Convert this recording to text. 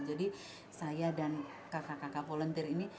jadi saya dan kakak kakak volunteer ini